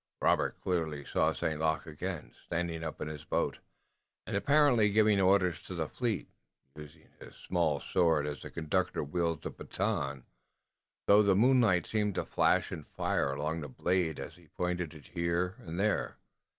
Robert clearly saw St. Luc again, standing up in his boat, and apparently giving orders to the fleet, using his small sword, as a conductor wields a baton, though the moonlight seemed to flash in fire along the blade as he pointed it here and there.